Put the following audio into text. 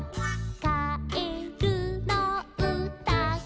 「かえるのうたが」